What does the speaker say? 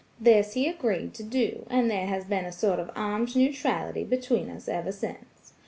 This he agreed to do, and there has been a sort of armed neutrality between us ever since.